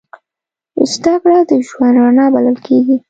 زدهکړه د ژوند رڼا بلل کېږي.